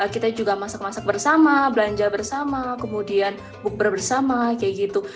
kita juga masak masak bersama belanja bersama kemudian bukber bersama kayak gitu